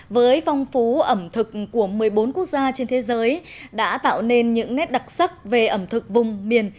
với phong phú ẩm thực của một mươi bốn quốc gia trên thế giới đã tạo nên những nét đặc sắc về ẩm thực vùng miền